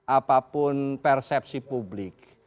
apapun persepsi publik